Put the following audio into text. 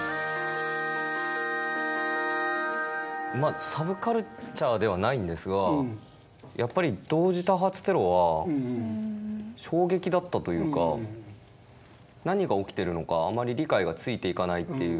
まあサブカルチャーではないんですがやっぱり同時多発テロは衝撃だったというか何が起きてるのかあまり理解がついていかないっていう。